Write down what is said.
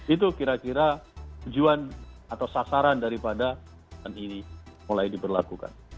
itu kira kira tujuan atau sasaran daripada ini mulai diberlakukan